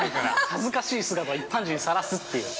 ◆恥ずかしい姿を一般人にさらすっていう。